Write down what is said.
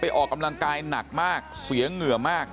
ออกกำลังกายหนักมากเสียเหงื่อมาก